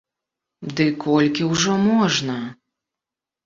Ды колькі ўжо можна?